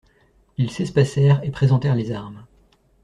Ils s'espacèrent et présentèrent les armes.